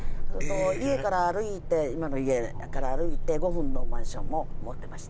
家から歩いて今の家から歩いて５分のマンションも持ってました。